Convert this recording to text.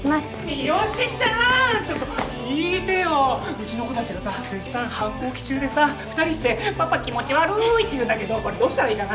うちの娘たちがさ絶賛反抗期中でさ２人してパパ気持ち悪いって言うんだけどこれどうしたらいいかな？